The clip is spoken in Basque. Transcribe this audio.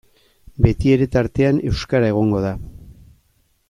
Betiere tartean euskara egongo da.